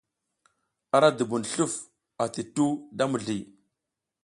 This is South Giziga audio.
Ara dubun sluf ati tuhu da mizliy.